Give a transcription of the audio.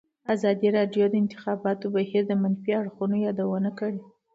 ازادي راډیو د د انتخاباتو بهیر د منفي اړخونو یادونه کړې.